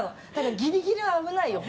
ギリギリは危ないよ。